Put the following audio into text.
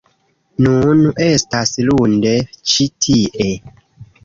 Nun estas lunde ĉi tie